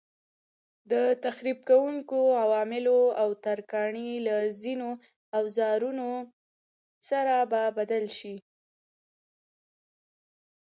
د تخریب کوونکو عواملو او ترکاڼۍ له ځینو اوزارونو سره به بلد شئ.